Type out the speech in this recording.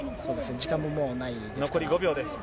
時間ももうないですね。